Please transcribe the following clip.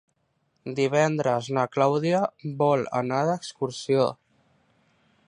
Divendres na Clàudia vol anar d'excursió.